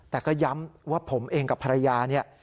แต่ก็ย้ำว่าผมเองกับภรรยาเนี่ย